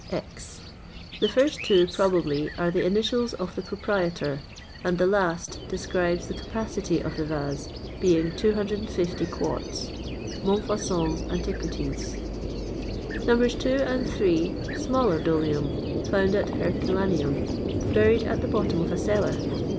X; the first two, probably, are the initials of the proprietor, and the last describes the capacity of the vase, being 250 quarts. MONTFAUCON's "Antiquities," expl. Nos. 2 and 3. Smaller Dolium, found at Herculaneum, buried at the bottom of a cellar.